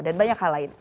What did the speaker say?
dan banyak hal lain